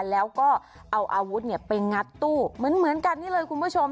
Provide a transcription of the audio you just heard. แล้วก็เอาอาวุธไปงัดตู้เหมือนกันนี่เลยคุณผู้ชม